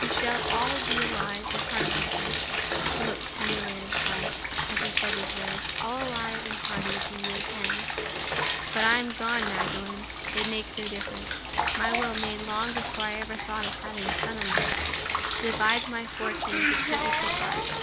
We shall all be alive and hearty, I hope"—he looked tenderly at his wife as he said those words—"all alive and hearty at the year's end. But if I am gone, Magdalen, it will make no difference. My will—made long before I ever thought of having a son in law divides my fortune into two equal parts.